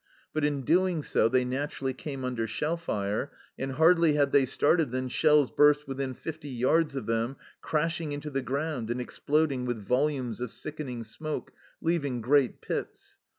But in doing so they naturally came under shell fire, and hardly had they started than shells burst within fifty yards of them, crashing into the ground and exploding with volumes of sickening smoke, leaving great pits.